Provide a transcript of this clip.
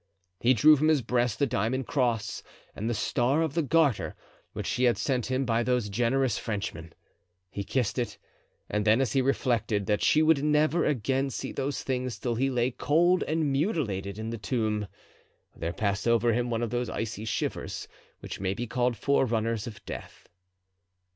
He drew from his breast the diamond cross and the star of the Garter which she had sent him by those generous Frenchmen; he kissed it, and then, as he reflected, that she would never again see those things till he lay cold and mutilated in the tomb, there passed over him one of those icy shivers which may be called forerunners of death.